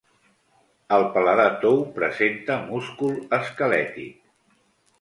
El paladar tou presenta múscul esquelètic.